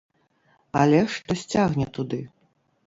Але штось цягне туды!